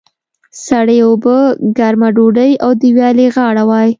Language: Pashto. سړې اوبه، ګرمه ډودۍ او د ویالې غاړه وای.